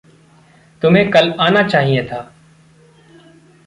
तुम्हे कल आना चाहिए था।